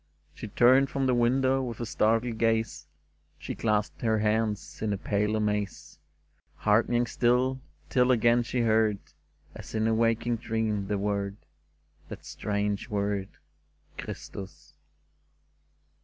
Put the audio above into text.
She turned from the window with a startled gaze : She clasped her hands in a pale amaze, Hearkening still, till again she heard. As in a waking dream, the word — That strange word, " Christus